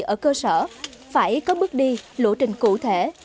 ở cơ sở phải có bước đi lộ trình cụ thể